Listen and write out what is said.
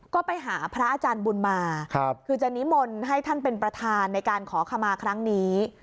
ก็ไปหาพระอาจารย์บุญมาคือจะนิมนต์ให้ท่านเป็นประธานในการขอขมาครั้งนี้